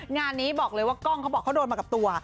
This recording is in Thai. งานนี้บอกเลยว่ากล้องเขาบอกเขาโดนมากับตัว